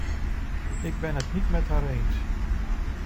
Ik ben het niet met haar eens.